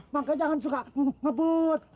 makanya jangan suka ngebut